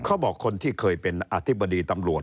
คนที่เคยเป็นอธิบดีตำรวจ